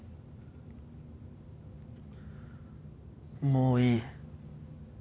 もういい。